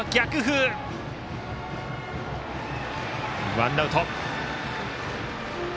ワンアウト。